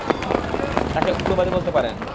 তাকে উগ্রবাদী বলতে পারেন।